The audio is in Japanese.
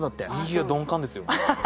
いや鈍感ですよ。